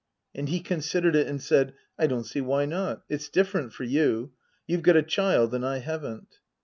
And he considered it and said, " I don't see why not. It's different for you. You've got a child and I haven't."